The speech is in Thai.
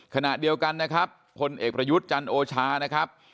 ขณะเดียวกันนะครับพลเอกประยุทธ์จันโอชานะครับ